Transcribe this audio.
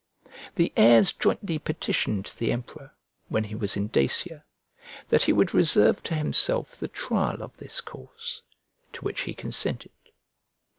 The heirs jointly petitioned the emperor, when he was in Dacia, that he would reserve to himself the trial of this cause; to which he consented.